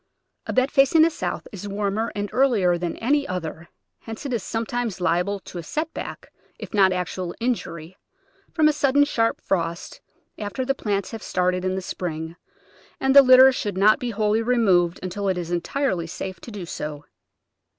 A bed facing the south is warmer and earlier than any other, hence it is sometimes liable to a set back — if not actual injury — from a sudden sharp frost after the plants have started in the spring, and the litter should not be wholly removed until it is entirely safe to do so.